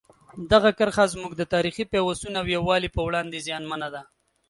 دغه کرښه زموږ د تاریخي پیوستون او یووالي په وړاندې زیانمنه ده.